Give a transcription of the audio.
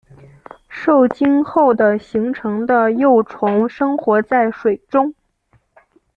受精后的形成的幼虫生活在水中。